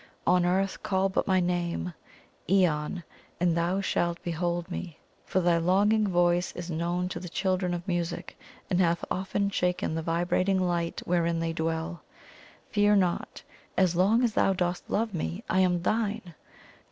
On Earth, call but my name Aeon! and thou shalt behold me. For thy longing voice is known to the Children of Music, and hath oft shaken the vibrating light wherein they dwell. Fear not! As long as thou dost love me, I am thine."